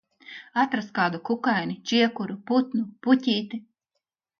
Atrast kādu kukaini, čiekuru, putnu, puķīti...